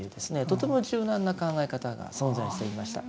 とても柔軟な考え方が存在していました。